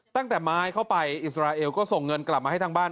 ตั้งแต่ไม้เข้าไปอิสราเอลก็ส่งเงินกลับมาให้ทางบ้าน